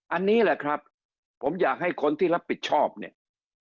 อันนี้แหละครับผมอยากให้คนที่รับผิดชอบเนี่ย